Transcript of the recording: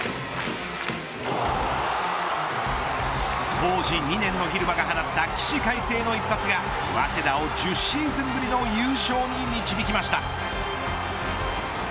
当時２年の蛭間が放った起死回生の一発が早稲田を１０シーズンぶりの優勝に導きました。